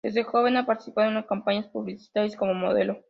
Desde joven ha participado en campañas publicitarias como modelo.